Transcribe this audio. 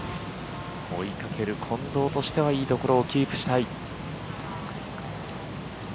追いかける近藤としてはいいところをキープしたい。